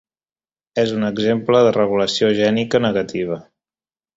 És un exemple de regulació gènica negativa.